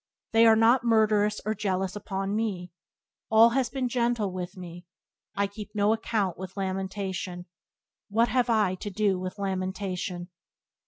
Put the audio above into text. They are not murderous or jealous upon me; All has been gentle with me, I keep no account with lamentation; What have I to do with lamentation?"